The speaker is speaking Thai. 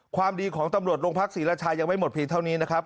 ความดีของตำรวจโรงพักศรีราชายังไม่หมดเพียงเท่านี้นะครับ